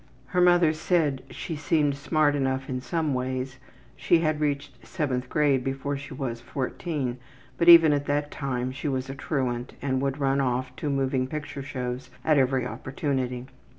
Her mother said she seemed smart enough in some ways; she had reached 7th grade before she was 14, but even at that time she was a truant and would run off to moving picture shows at every opportunity.